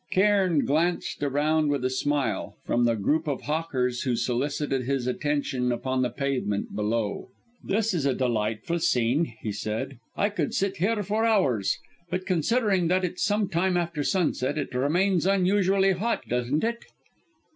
Cairn glanced around with a smile, from the group of hawkers who solicited his attention upon the pavement below. "This is a delightful scene," he said. "I could sit here for hours; but considering that it's some time after sunset it remains unusually hot, doesn't it?"